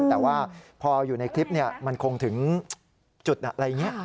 แต่ว่าพออยู่ในคลิปมันคงถึงจุดอะไรอย่างนี้